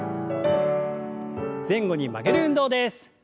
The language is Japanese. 前後に曲げる運動です。